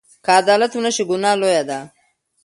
که عدالت ونشي، ګناه لویه ده.